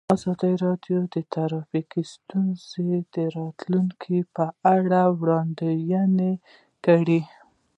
ازادي راډیو د ټرافیکي ستونزې د راتلونکې په اړه وړاندوینې کړې.